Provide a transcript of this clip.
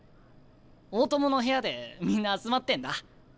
大友の部屋でみんな集まってんだ。